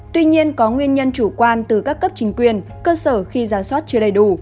tuy nhiên có nguyên nhân chủ quan từ các cấp chính quyền cơ sở khi giả soát chưa đầy đủ